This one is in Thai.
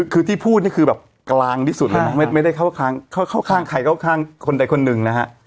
คือที่พูดนี่คือแบบกลางที่สุดเลยนะไม่ได้เข้าข้างใครเข้าข้างคนใดคนหนึ่งนะฮะ